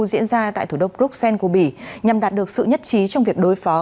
diễn ra tại thủ đô bruxelles của bỉ nhằm đạt được sự nhất trí trong việc đối phó